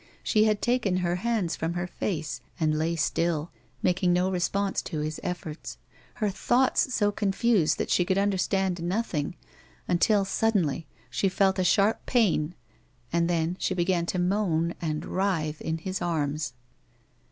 She had taken her hands from her face and lay still, making no response to his efforts, her thoughts so confused that she could understand nothing, until suddenly she felt a sharp pain, and then she began to moan and writhe in his arms.